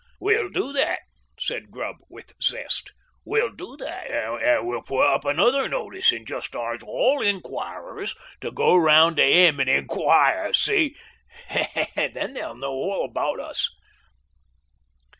"We'll do that," said Grubb with zest "we'll do that. And we'll put up another notice, and jest arst all inquirers to go round to 'im and inquire. See? Then they'll know all about us."